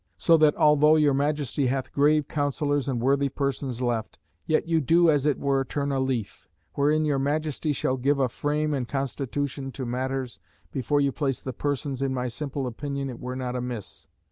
So that although your Majesty hath grave counsellors and worthy persons left, yet you do as it were turn a leaf, wherein if your Majesty shall give a frame and constitution to matters, before you place the persons, in my simple opinion it were not amiss.